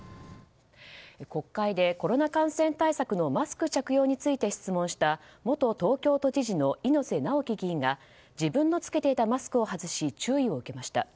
国会でコロナ感染対策のマスク着用について質問した元東京都知事の猪瀬直樹議員が自分の着けていたマスクを外し注意を受けました。